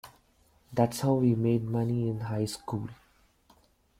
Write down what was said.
That's how we made money in high school.